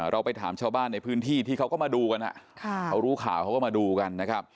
เราไปถามชาวบ้านในพื้นที่ที่เขาก็มาดูกันเขารู้ข่าวเขาก็มาดูกันนะครับ